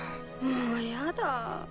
もうやだ。